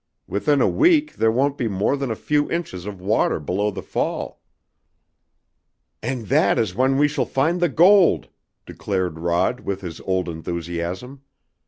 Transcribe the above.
Within a week there won't be more than a few inches of water below the fall." "And that is when we shall find the gold!" declared Rod with his old enthusiasm.